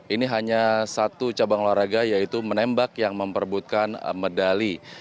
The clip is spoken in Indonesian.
ini hanya satu cabang olahraga yaitu menembak yang memperbutkan medali